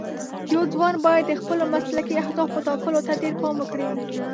یو ځوان باید د خپلو مسلکي اهدافو ټاکلو ته ډېر پام وکړي.